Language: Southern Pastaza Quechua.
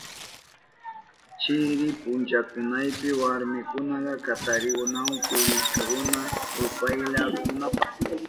Chiri punchakunapi warmikunaka katarinawa pillurirkakuna rupayanankunapa.